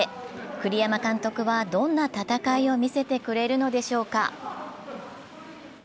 栗山監督はどんな戦いを見せてくれるのでしょうか。